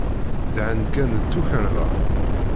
Dhan-d kan d tukarḍa.